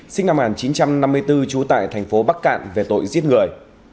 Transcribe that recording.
sinh năm một nghìn chín trăm năm mươi bốn trú tại thành phố bắc cạn về tội giết người